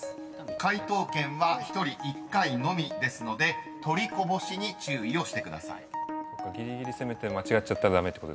［解答権は１人１回のみですので取りこぼしに注意をしてください］